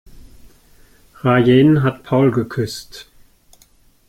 Rayen hat Paul geküsst.